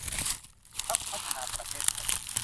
พรรคพัฒนาประเทศไทย